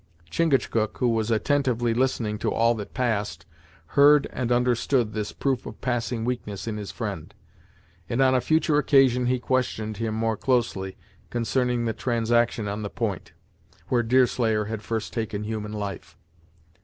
Chingachgook, who was attentively listening to all that passed, heard and understood this proof of passing weakness in his friend, and on a future occasion he questioned him more closely concerning the transaction on the point, where Deerslayer had first taken human life.